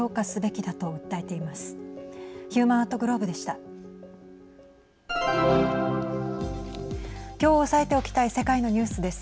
きょう、押さえておきたい世界のニュースです。